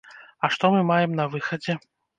А што мы маем на выхадзе?